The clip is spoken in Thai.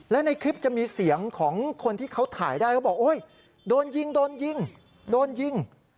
และในคลิปจะมีเสียงของคนที่เขาถ่ายได้เขาบอกโอ๊ยโดนยิงโดนยิงโดนยิง